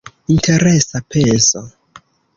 Interesa penso.